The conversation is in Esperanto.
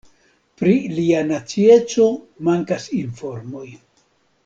Pri lia nacieco mankas informoj.